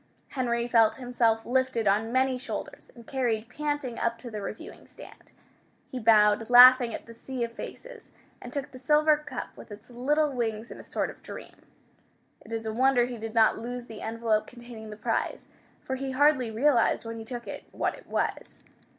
Henry felt himself lifted on many shoulders and carried panting up to the reviewing stand. He bowed laughing at the sea of faces, and took the silver cup with its little wings in a sort of dream. It is a wonder he did not lose the envelope containing the prize, for he hardly realized when he took it what it was.